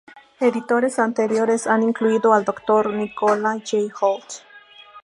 Editores anteriores han incluido al Dr. Nicola J. Holt.